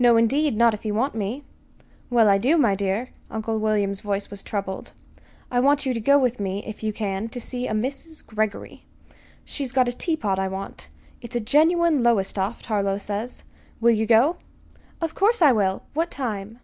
"No, indeed not if you want me." "Well, I do, my dear." Uncle William's voice was troubled. "I want you to go with me, if you can, to see a Mrs. Greggory. She's got a teapot I want. It's a genuine Lowestoft, Harlow says. Will you go?" "Of course I will! What time?"